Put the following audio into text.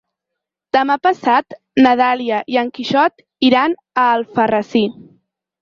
Demà passat na Dàlia i en Quixot iran a Alfarrasí.